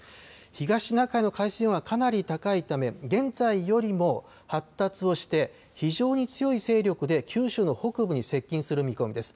東シナ海の海水温はかなり高いため、現在よりも発達をして、非常に強い勢力で九州の北部に接近する見込みです。